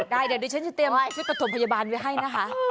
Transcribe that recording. ได้เดี๋ยวดิฉันจะเตรียมชุดประถมพยาบาลไว้ให้นะคะ